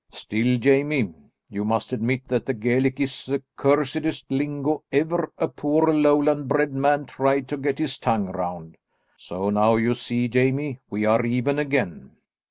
Still, Jamie, you must admit that the Gaelic is the cursedest lingo ever a poor Lowland bred man tried to get his tongue round. So now you see, Jamie, we are even again.